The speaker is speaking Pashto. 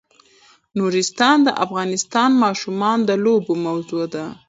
نورستان د افغان ماشومانو د لوبو موضوع ده.